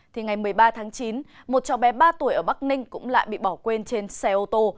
thì ngày một mươi ba tháng chín một cháu bé ba tuổi ở bắc ninh cũng lại bị bỏ quên trên xe ô tô